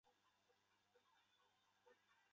离母糕用四十八片非常整齐均匀的糕块。